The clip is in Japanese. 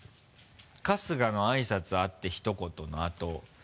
春日の「挨拶あってひとこと」のあと。